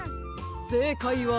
せいかいは。